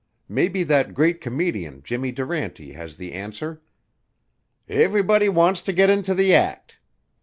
Maybe that great comedian, Jimmy Durante, has the answer: "Everybody wants to get into the act."